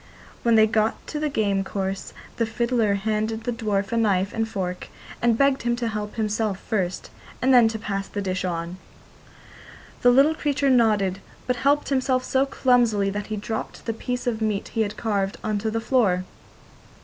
When they got to the game course the fiddler handed the dwarf a knife and fork, and begged him to help himself first, and then to pass the dish on. The little creature nodded, but helped himself so clumsily that he dropped the piece of meat he had carved on to the floor.